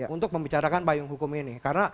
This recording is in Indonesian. untuk membicarakan payung hukum ini karena